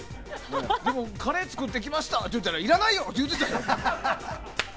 でも、カレー作ってきましたって言ったらいらないよ！って言ってたじゃないですか。